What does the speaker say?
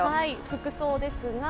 服装ですが。